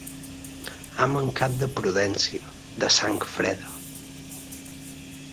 Ha mancat de prudència, de sang freda.